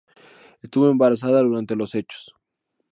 Estuvo embarazada durante los hechos.